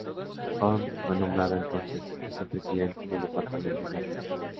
Horn fue nombrado entonces vicepresidente del departamento de guerra.